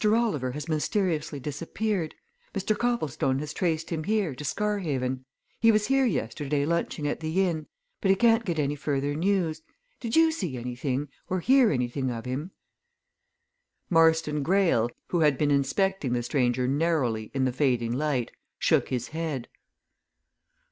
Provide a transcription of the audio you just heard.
Oliver has mysteriously disappeared. Mr. Copplestone has traced him here, to Scarhaven he was here yesterday, lunching at the inn but he can't get any further news. Did you see anything, or hear anything of him?" Marston Greyle, who had been inspecting the stranger narrowly in the fading light, shook his head.